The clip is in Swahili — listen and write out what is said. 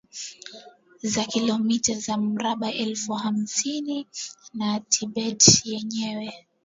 La kilomita za mraba elfu hamsini na Tibet yenye